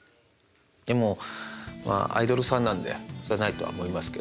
でもまあアイドルさんなんでそれはないとは思いますけど。